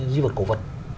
di vật cổ vật